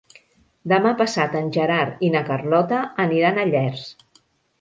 Demà passat en Gerard i na Carlota aniran a Llers.